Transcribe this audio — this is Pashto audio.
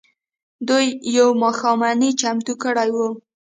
دوی يوه ماښامنۍ چمتو کړې وه.